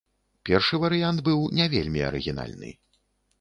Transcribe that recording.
Першы варыянт быў не вельмі арыгінальны.